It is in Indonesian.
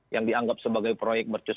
yang dianggap sebagai proyek mercus